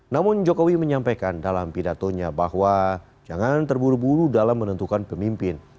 namun jokowi menyampaikan dalam pidatonya bahwa jangan terburu buru dalam menentukan pemimpin